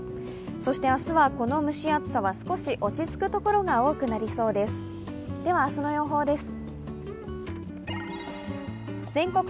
そして明日はこの蒸し暑さは少し落ち着くところが多くなりそうです。